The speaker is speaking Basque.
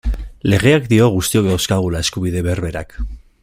Legeak dio guztiok dauzkagula eskubide berberak.